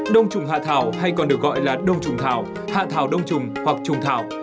đồng trùng hạ thảo hay còn được gọi là đồng trùng thảo hạ thảo đồng trùng hoặc trùng thảo